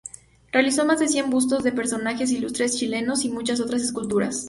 Realizó más de cien bustos de personajes ilustres chilenos y muchas otras esculturas.